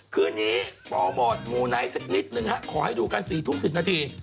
คืนนี้โปรโมทมูไนท์สักนิดนึงฮะขอให้ดูกัน๔ทุ่ม๑๐นาที